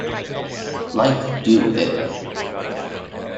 Like Do It!